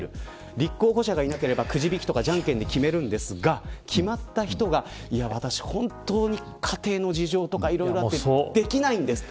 立候補者がいなければくじ引きやじゃんけんで決めますが決まった人が家庭の事情とかいろいろあってできないんです。